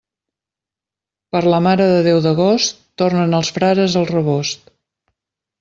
Per la Mare de Déu d'agost, tornen els frares al rebost.